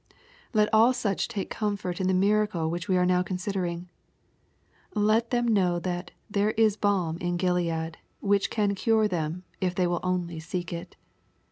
Let all such take comfort in the miracle which we are now considering. Let them know that " there is balm in Gilead," which can cure them, if they will only seek it.